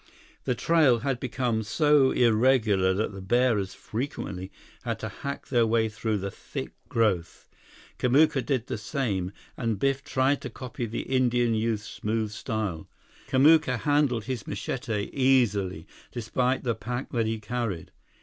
The trail had become so irregular that the bearers frequently had to hack their way through the thick growth. Kamuka did the same, and Biff tried to copy the Indian youth's smooth style. Kamuka handled his machete easily, despite the pack that he carried.